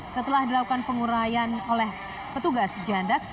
setelah dilakukan pengurayan oleh petugas janda